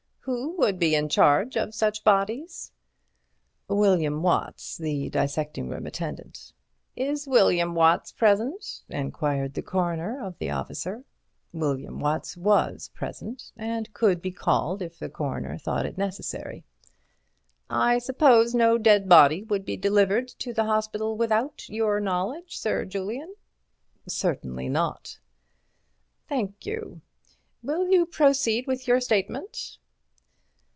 "Who would be in charge of such bodies?" "William Watts, the dissecting room attendant." "Is William Watts present?" enquired the Coroner of the officer. William Watts was present, and could be called if the Coroner thought it necessary. "I suppose no dead body would be delivered to the hospital without your knowledge, Sir Julian?" "Certainly not." "Thank you. Will you proceed with your statement?"